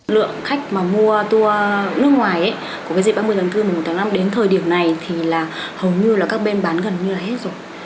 lượng khách mà mua tour nước ngoài của dịp ba mươi tháng bốn mùng một tháng năm đến thời điểm này thì hầu như các bên bán gần như là hết rồi